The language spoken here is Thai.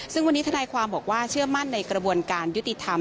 ซึ่งวันนี้ทนายความบอกว่าเชื่อมั่นในกระบวนการยุติธรรม